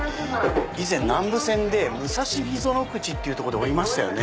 以前南武線で武蔵溝ノ口で降りましたよね。